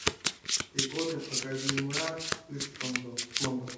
Тыгодым Агавийымат ыш мондо.